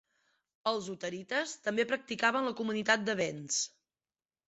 Els huterites també practicaven la comunitat de bens.